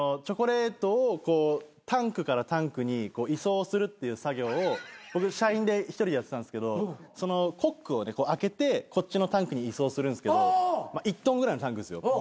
チョコレートをタンクからタンクに移送するっていう作業を僕社員で１人でやってたんすけどコックを開けてこっちのタンクに移送するんすけど１ｔぐらいのタンクですよ。